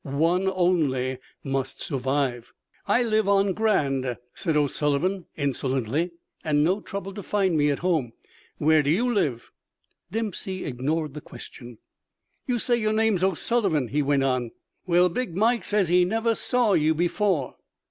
One only must survive. "I live on Grand," said O'Sullivan, insolently; "and no trouble to find me at home. Where do you live?" Dempsey ignored the question. "You say your name's O'Sullivan," he went on. "Well, 'Big Mike' says he never saw you before."